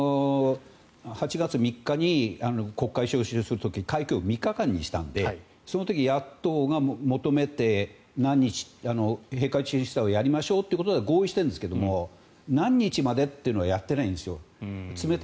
８月３日に国会召集する時に会期を３日間にしたのでその時野党が求めて閉会中審査をやりましょうと合意してるんですが何日までというのはやってないんですよ。